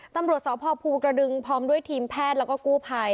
ตำรวจสพภูกระดึงพร้อมด้วยทีมแพทย์แล้วก็กู้ภัย